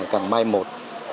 càng mai một